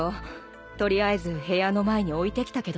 取りあえず部屋の前に置いてきたけどさ。